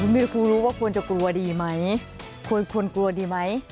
ไม่รู้รู้ว่าควรจะกลัวดีไหมควรกลัวดีไหม